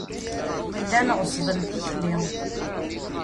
Llan ɣeṣṣben tikli.